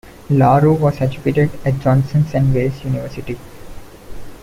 LaRue was educated at Johnson and Wales University.